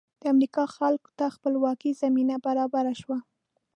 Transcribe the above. د امریکا خلکو ته خپلواکۍ زمینه برابره شوه.